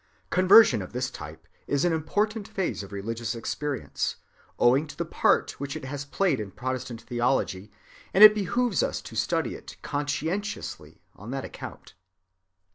Conversion of this type is an important phase of religious experience, owing to the part which it has played in Protestant theology, and it behooves us to study it conscientiously on that account.